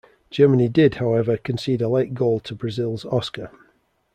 Germany did, however, concede a late goal to Brazil's Oscar.